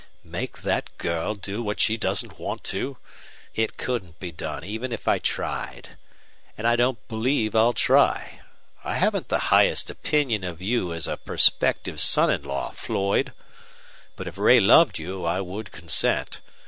"Make that girl do what she doesn't want to? It couldn't be done even if I tried. And I don't believe I'll try. I haven't the highest opinion of you as a prospective son in law, Floyd. But if Ray loved you I would consent.